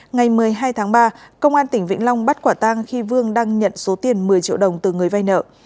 ngày một mươi hai tháng ba công an tỉnh vĩnh long bắt quả tang khi vương đang nhận số tiền một mươi triệu đồng từ người vay nợ